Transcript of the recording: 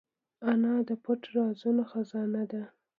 انا د پټ رازونو خزانه ده